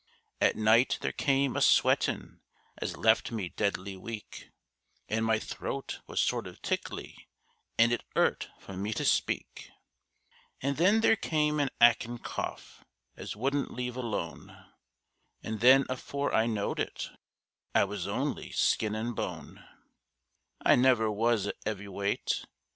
At night there came a sweatin' as left me deadly weak, And my throat was sort of tickly an' it 'urt me for to speak; An' then there came an 'ackin' cough as wouldn't leave alone, An' then afore I knowed it I was only skin and bone I never was a 'eavy weight.